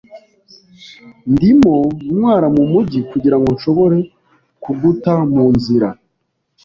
Ndimo ntwara mumujyi kugirango nshobore kuguta mu nzira.